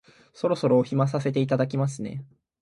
そろそろお暇させていただきますね